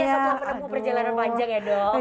iya setelah penepu perjalanan panjang ya dok